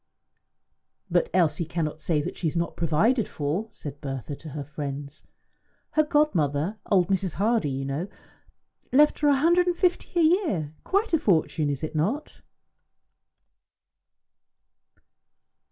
"But Elsie cannot say that she is not provided for," said Bertha to her friends. "Her godmother old Mrs. Hardie, you know left her a hundred and fifty a year. Quite a fortune, is it not?"